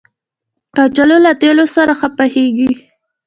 کچالو له تېلو سره ښه پخېږي